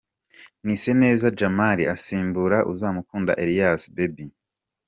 Mwiseneza Djamali asimbura Uzamukunda Elias "Baby".